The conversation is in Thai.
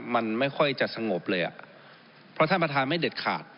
มันไม่ค่อยจะสงบเลยอ่ะเพราะท่านประธานไม่เด็ดขาด